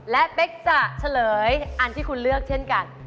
และเป๊กจะเฉลยอันที่คุณเลือกเช่นกัน